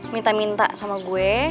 minta minta sama gue